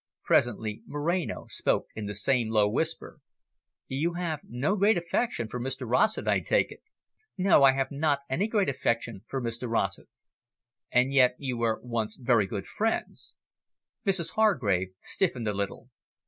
Presently Moreno spoke in the same low whisper. "You have no great affection for Mr Rossett, I take it?" "No, I have not any great affection for Mr Rossett." "And yet you were once very good friends." Mrs Hargrave stiffened a little.